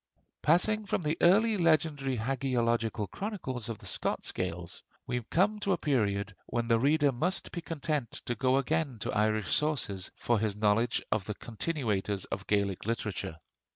Passing from the early legendary hagiological chronicles of the Scots Gaels, we come to a period when the reader must be content to go again to Irish sources for his knowledge of the continuators of Gaelic literature.